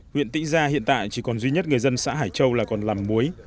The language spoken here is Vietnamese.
huyện tĩnh gia hiện tại chỉ còn duy nhất người dân xã hải châu là còn làm muối